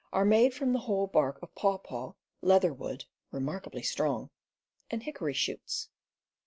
are made from the whole bark of pawpaw, leatherwood (remarkably strong), and ^ hickory shoots.